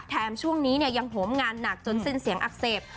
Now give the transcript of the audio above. แถมช่วงนี้ยังโผมงานหนักจนสิ้นเสียงอักเสบ